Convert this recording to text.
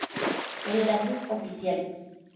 Enlaces Oficiales